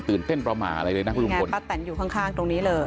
ตื่นเต้นประมาอะไรเลยนะพวกทุกคนบางอยู่ข้างตรงนี้เลย